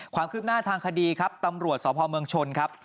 ความคืบหน้าทางคดีครับตำรวจสพเมืองชนครับ